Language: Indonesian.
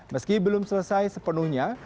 meski belum selesai sepenuhnya